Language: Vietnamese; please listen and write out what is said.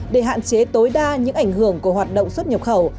để hạn chế tối đa những ảnh hưởng của hoạt động xuất nhập khẩu